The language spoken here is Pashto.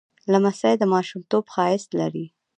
لمسی د ماشومتوب ښایست لري.